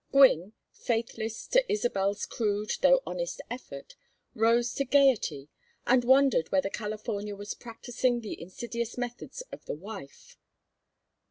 Gwynne, faithless to Isabel's crude though honest effort, rose to gayety and wondered whether California was practising the insidious methods of the wife.